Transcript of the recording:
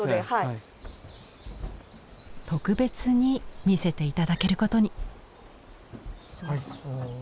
特別に見せて頂けることに。